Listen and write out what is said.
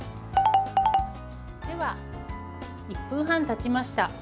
では、１分半たちました。